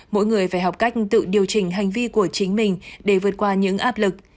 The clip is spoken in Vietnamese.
mỗi người phải học cách tự điều chỉnh hành vi của chính mình để vượt qua những áp lực